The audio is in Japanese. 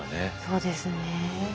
そうですね。